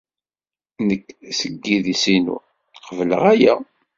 Nekk, seg yidis-inu, qebleɣ aya.